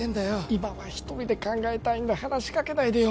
今は一人で考えたいんだ話しかけないでよ